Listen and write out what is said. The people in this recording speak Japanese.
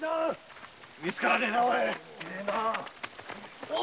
見つからねえなぁ！